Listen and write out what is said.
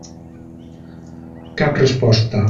Cap resposta.